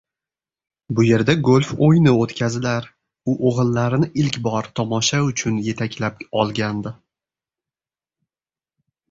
Bu yerda golf oʻyini oʻtkazilar, u oʻgʻillarini ilk bor tomosha uchun yetaklab olgandi.